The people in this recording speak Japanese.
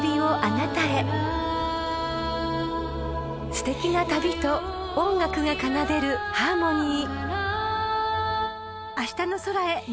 ［すてきな旅と音楽が奏でるハーモニー］